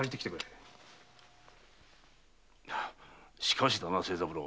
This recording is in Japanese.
しかしだな清三郎。